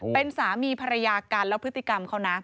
เป็นสามีภรรยากันแล้วพฤติกรรมเขานะ